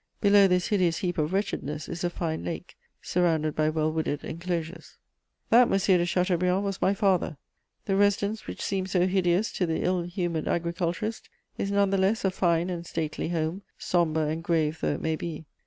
Below this hideous heap of wretchedness is a fine lake, surrounded by well wooded inclosures." That M. de Chateaubriand was my father; the residence which seemed so hideous to the ill humoured agriculturist is none the less a fine and stately home, sombre and grave though it may be.